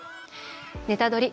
「ネタドリ！」